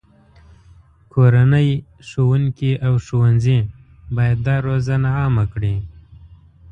کورنۍ، ښوونکي، او ښوونځي باید دا روزنه عامه کړي.